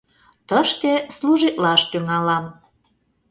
Тыште служитлаш тӱҥалам.